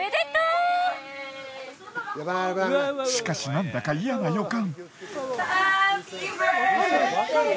しかしなんだか嫌な予感。